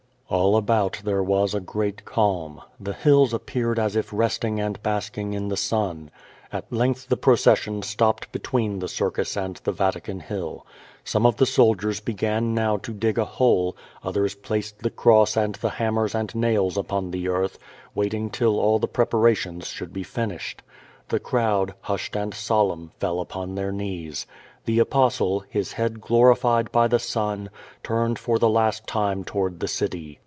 All about there was a great calm. The hills appeared as if resting and basking in the sun. At length the procession stopped between the Circus and the Vatican Hill. Some of the soldiers began now to dig a hole, others placed the cross and the hammers and nails upon the earth, waiting till all the preparations should be finished. The crowd, hushed and solemn, fell upon their knees. The Apostle, his head glorified by the sun, turned for the last time toward the city.